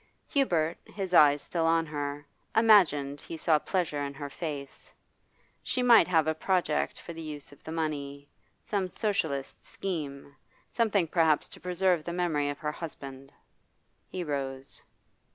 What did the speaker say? Hubert, his eyes still on her, imagined he saw pleasure in her face. She might have a project for the use of the money, some Socialist scheme, something perhaps to preserve the memory of her husband. He rose.